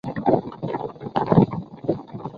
当时此软件是辅助飞机建造。